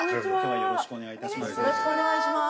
よろしくお願いします。